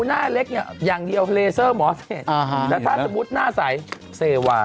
หน้าเล็กอย่างเดียวหมอเจนอ่าฮะแต่ถ้าสมมุติหน้าใส่เซวา